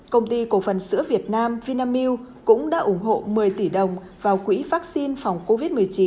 công ty cổ phần sữa việt nam vinamilk cũng đã ủng hộ một mươi tỷ đồng vào quỹ vaccine phòng covid một mươi chín